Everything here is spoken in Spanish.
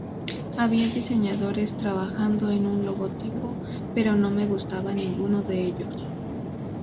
Había diseñadores trabajando en un logotipo, pero no me gustaba ninguno de ellos.